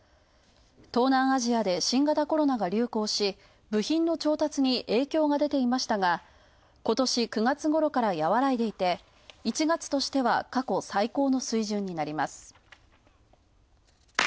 東南アジアで新型コロナが流行し、部品の調達に影響が出ていましたが今年９月ごろから和らいでいて、１月としては過去最高の水準になります。